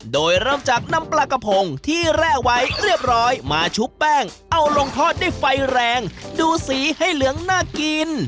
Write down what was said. โดยเริ่มจากนำปลากระพงที่แร่ไว้เรียบร้อยมาชุบแป้งเอาลงทอดด้วยไฟแรงดูสีให้เหลืองน่ากิน